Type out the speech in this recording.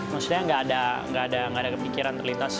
maksudnya nggak ada kepikiran terlintas